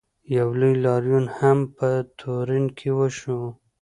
یو لوی لاریون هم په تورین کې وشو.